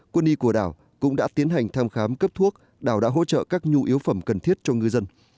quân y của đảo cũng đã tiến hành thăm khám cấp thuốc đảo đã hỗ trợ các nhu yếu phẩm cần thiết cho ngư dân